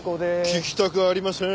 聞きたくありません。